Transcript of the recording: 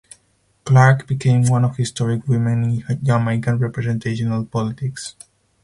Clarke became one of historic women in Jamaican representational politics.